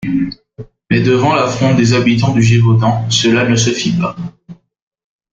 Mais devant la fronde des habitants du Gévaudan, cela ne se fit pas.